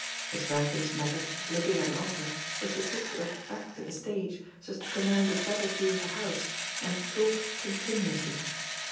Miss Grantham's method of looking at an opera was to sit with her hack to the stage, so as to command a better view of the house, and talk continuously.